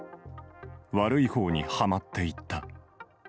悪いほうにはまっていった。